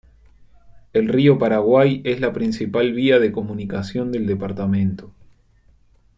El río Paraguay es la principal vía de comunicación del departamento.